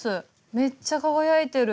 めっちゃ輝いてる。